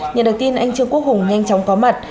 nhận được tin anh trương quốc hùng nhanh chóng có mặt